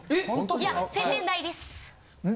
いや洗面台です！